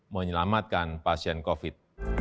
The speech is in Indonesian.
menyelamatkan pasien covid sembilan belas